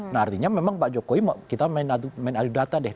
nah artinya memang pak jokowi kita main adu data deh